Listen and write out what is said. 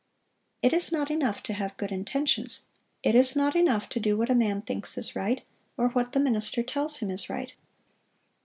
It is not enough to have good intentions; it is not enough to do what a man thinks is right, or what the minister tells him is right.